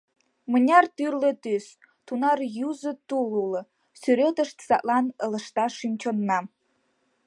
Мыняр тӱрлӧ тӱс, тунар юзо тул уло, Сӱретышт садлан ылыжта шӱм-чоннам!